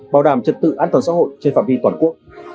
bảo đảm trật tự an toàn xã hội trên phạm vi toàn quốc